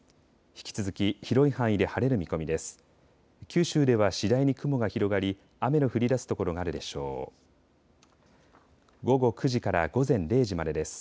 引き続き広い範囲で晴れる見込みです。